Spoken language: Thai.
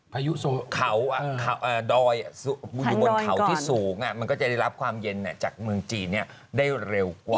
พายุเขาดอยอยู่บนเขาที่สูงมันก็จะได้รับความเย็นจากเมืองจีนได้เร็วกว่า